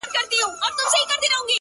o اوښکي دې توی کړلې ډېوې. راته راوبهيدې.